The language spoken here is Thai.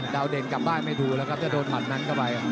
เด่าเด็กกลับบ้านไม่ดูหรอกครับจะโดนทำนั้นก็ไป